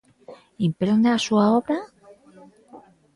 Impregna a súa obra?